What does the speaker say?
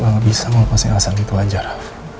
lo gak bisa melepasnya alasan itu aja raff